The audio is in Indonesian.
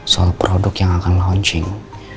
soal produk yang akan launching